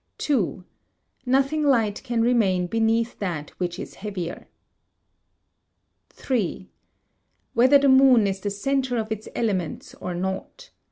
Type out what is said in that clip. ii. Nothing light can remain beneath that which is heavier. iii. Whether the moon is the centre of its elements or not.